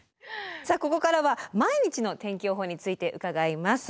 さあここからは毎日の天気予報について伺います。